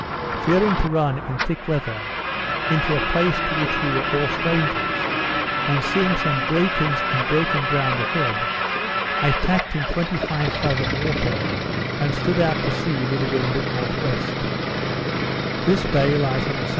Fearing to run, in thick weather, into a place to which we were all strangers, and seeing some breakers and broken ground a head, I tacked in twenty five fathom water, and stood out to sea with the wind at N.W. This bay lies on the S.E.